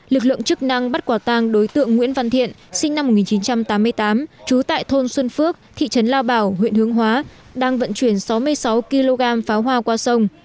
lực lượng chức năng bắt quả tang đối tượng nguyễn văn thiện sinh năm một nghìn chín trăm tám mươi tám trú tại thôn xuân phước thị trấn lao bảo huyện hướng hóa đang vận chuyển sáu mươi sáu kg pháo hoa qua sông